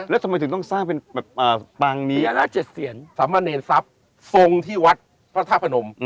และทำไมถึงต้องสร้างเป็นเมอร์ตะปังนี้มีให้มาเนรสรับทรงที่วัดพระท่าพนม